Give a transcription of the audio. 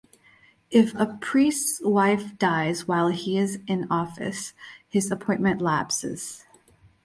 If a priests wife dies while he is in office, his appointment lapses.